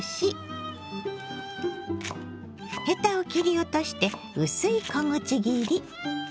ヘタを切り落として薄い小口切り。